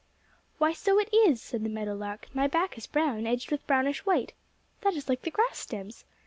"Why, so it is," said the meadow lark. "My back is brown, edged with brownish white. That is like the grass stems.